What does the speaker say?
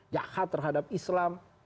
jahat terhadap islam